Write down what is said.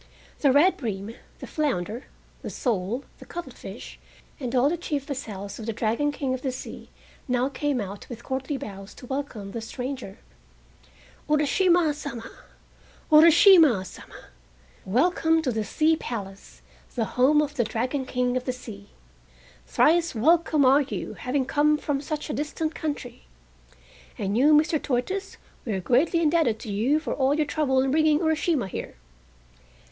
The red bream, the flounder, the sole, the cuttlefish, and all the chief vassals of the Dragon King of the Sea now came out with courtly bows to welcome the stranger. "Urashima Sama, Urashima Sama! welcome to the Sea Palace, the home of the Dragon King of the Sea. Thrice welcome are you, having come from such a distant country. And you, Mr. Tortoise, we are greatly indebted to you for all your trouble in bringing Urashima here."